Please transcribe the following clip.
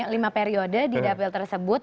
lima periode di dapil tersebut